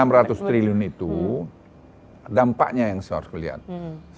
sekarang satu enam ratus triliun itu dampaknya yang seharusnya kalian lihat